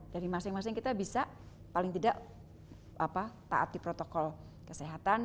dari masing masing kita bisa paling tidak taat di protokol kesehatan